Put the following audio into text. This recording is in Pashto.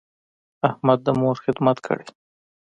احمد د مور خدمت کړی.